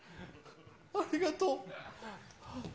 ありがとう。